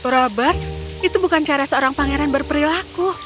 robert itu bukan cara seorang pangeran berperilaku